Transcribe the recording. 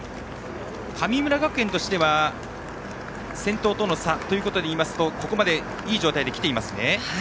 神村学園としては先頭との差ということでいいますとここまで、いい状態で来ています。